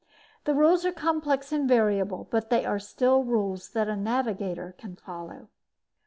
The rules are complex and variable, but they are still rules that a navigator can follow.